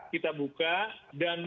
kita buka dan